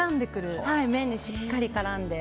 麺にしっかり絡んで。